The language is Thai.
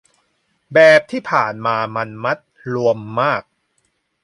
แบบที่ผ่านมามันมัดรวมมาก